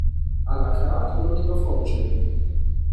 A la carte oder lieber vorbestellen?